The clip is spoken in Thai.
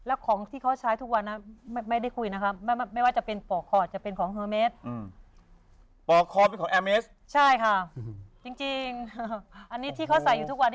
อันนี้ที่เค้าใส่อีกทุกวัน